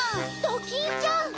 ドキンちゃん！